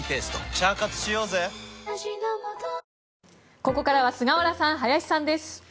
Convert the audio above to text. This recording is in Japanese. ここからは菅原さん、林さんです。